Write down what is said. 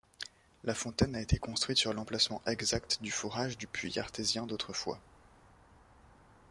La fontaine a été construite sur l’emplacement exact du forage du puits artésien d'autrefois.